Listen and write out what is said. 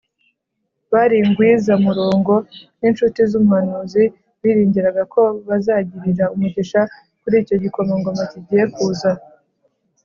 Bari ingwiza murongo. Nk’inshuti z’umuhanuzi, biringiraga ko bazagirira umugisha kur’icyo gikomangoma kigiye kuza